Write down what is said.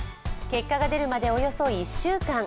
結果が出るまで、およそ１週間。